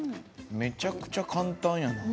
めちゃくちゃ簡単やな。